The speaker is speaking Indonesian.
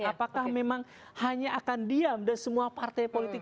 apakah memang hanya akan diam dan semua partai politik